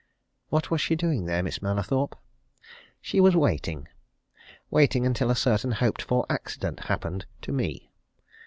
What was she doing there, Miss Mallathorpe? She was waiting! waiting until a certain hoped for accident happened to me.